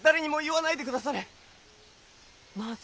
なぜ？